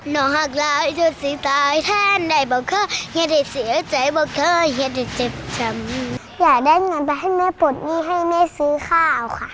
อยากได้เงินเป็นให้สิ่งที่โฟร์ตนี่ให้แม่ซื้อข้าวค่ะ